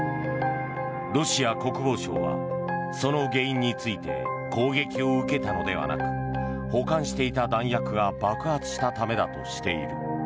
ロシア国防省はその原因について攻撃を受けたのではなく保管していた弾薬が爆発したためだとしている。